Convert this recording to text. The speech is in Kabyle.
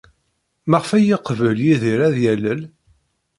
Maɣef ay yeqbel Yidir ad yalel?